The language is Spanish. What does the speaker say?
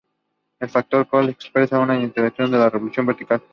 El factor de Kell sólo expresa esta incertidumbre de la resolución vertical.